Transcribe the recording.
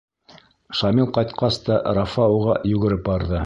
Шамил ҡайтҡас та Рафа уға йүгереп барҙы.